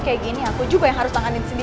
kayak gini aku juga yang harus tanganin sendiri